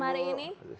malam hari ini